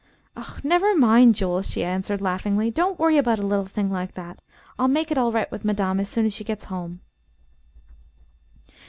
"Oh, never mind, Jules," she answered, laughingly. "Don't worry about a little thing like that. I'll make it all right with madame as soon as she gets home."